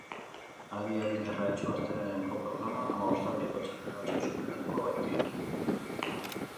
Adi adi jarraitu asteleheneko programa, hamabostaldiko txartel batzuk zozketatuko baititugu.